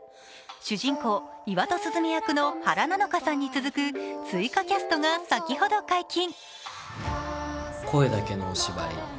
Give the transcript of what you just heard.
主人公・岩戸鈴芽役の原菜乃華さんの他、追加キャストが先ほど解禁。